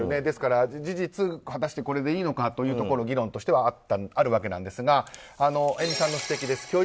ですから、事実果たしてこれでいいのかということは議論としてはあるわけですが遠見さんの指摘です。